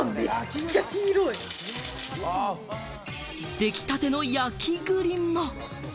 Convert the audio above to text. できたての焼き栗も。